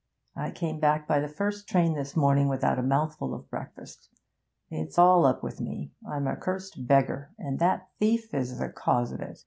I came back by the first train this morning without a mouthful of breakfast. It's all up with me; I'm a cursed beggar and that thief is the cause of it.